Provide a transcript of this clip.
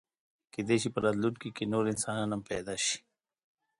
کېدی شي په راتلونکي کې نور انسانان هم پیدا شي.